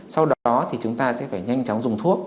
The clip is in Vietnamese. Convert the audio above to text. sau đó thì chúng ta sẽ phải nhanh chóng dùng thuốc